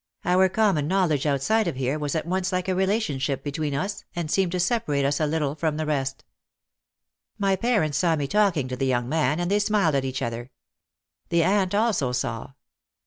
Our common knowledge outside of here was at once like a relationship between us and seemed to separate us a little from the rest. My parents saw me talking to the young man and they smiled at each other. The aunt also saw.